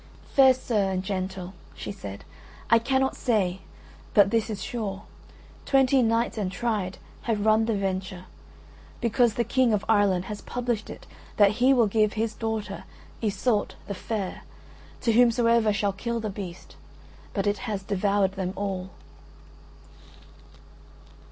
"Fair sir, and gentle," she said, "I cannot say; but this is sure: Twenty knights and tried have run the venture, because the King of Ireland has published it that he will give his daughter, Iseult the Fair, to whomsoever shall kill the beast; but it has devoured them all."